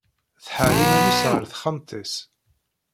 Tḥeṛṛ iman-is ɣer texxamt-is.